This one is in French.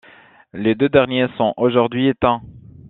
Les deux derniers sont aujourd'hui éteints.